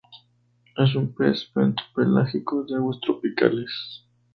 Es un pez bentopelágico de aguas tropicales.